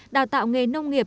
đào tạo nghề nông nghiệp